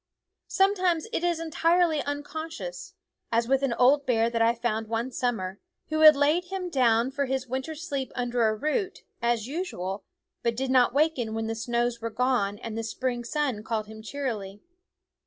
Sometimes it is entirely uncon scious, as with an old bear that I found one summer, who had laid him down for his winter sleep under a root, as usual, but did not waken when the snows were gone and the spring sun called him cheerily.